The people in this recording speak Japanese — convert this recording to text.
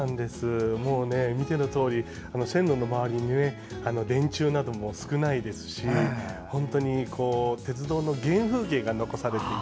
見てのとおり線路の周りに電柱なども少ないですし本当に鉄道の原風景が残されている。